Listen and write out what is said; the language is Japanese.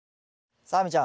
さあ亜美ちゃん